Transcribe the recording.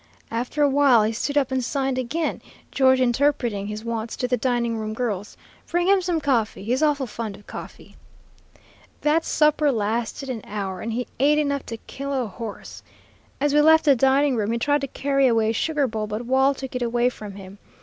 After a while he stood up and signed again, George interpreting his wants to the dining room girls: 'Bring him some coffee. He's awful fond of coffee.' "That supper lasted an hour, and he ate enough to kill a horse. As we left the dining room, he tried to carry away a sugar bowl, but Wall took it away from him.